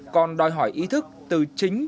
còn đòi hỏi ý thức từ chính